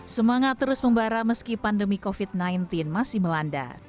semangat terus membara meski pandemi covid sembilan belas masih melanda